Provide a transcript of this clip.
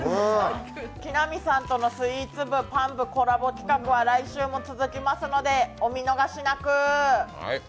木南さんとのスイーツ部、パン部とのコラボ企画は来週も続きますのでお見逃しなく。